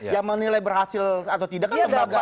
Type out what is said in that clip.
yang menilai berhasil atau tidak kan lembaga